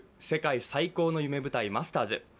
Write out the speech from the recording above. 世界最高の夢舞台・マスターズ。